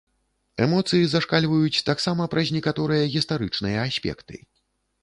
Эмоцыі зашкальваюць таксама праз некаторыя гістарычныя аспекты.